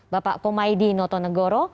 bapak pomaidi notonegoro